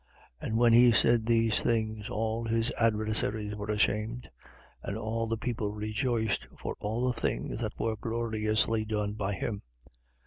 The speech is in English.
13:17. And when he said these things, all his adversaries were ashamed: and all the people rejoiced for all the things that were gloriously done by him.